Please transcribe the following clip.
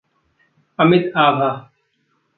Amit Abha